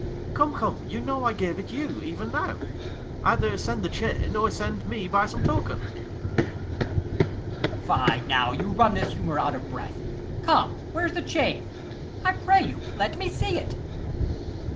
Ang. Come, come, you know I gave it you even now. 55 Either send the chain, or send me by some token. Ant. E. Fie, now you run this humour out of breath. Come, where's the chain? I pray you, let me see it.